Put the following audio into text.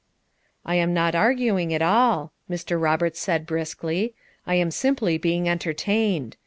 "I am not arguing at all," Mr. Roberts said briskly. "I am simply being entertained.